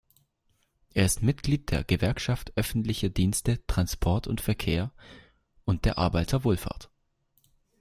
Er ist Mitglied der Gewerkschaft Öffentliche Dienste, Transport und Verkehr und der Arbeiterwohlfahrt.